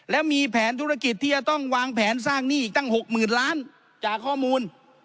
และมีแผนธุรกิจที่จะต้องวางแผนสร้างหนี้อีกตั้ง๖๐๐๐ล้านจากข้อมูล